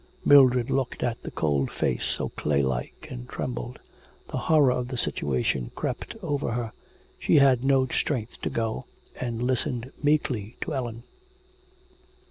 Mildred looked at the cold face, so claylike, and trembled. The horror of the situation crept over her; she had no strength to go, and listened meekly to Ellen.